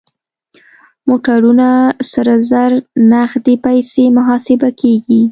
موټرونه سره زر نغدې پيسې محاسبه کېږي.